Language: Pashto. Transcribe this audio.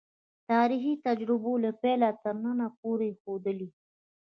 تاریخي تجربو له پیله تر ننه پورې ښودلې.